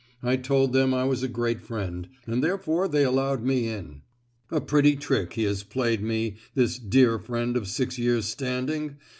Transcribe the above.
I told them I was a great friend—and therefore they allowed me in! A pretty trick he has played me—this dear friend of six years' standing!